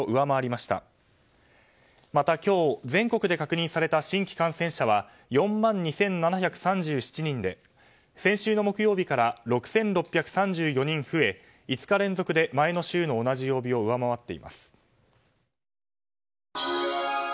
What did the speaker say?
また、今日全国で確認された新規感染者は４万２７３７人で先週の木曜日から６６３４人増え５日連続で前の週の同じ曜日を上回っています。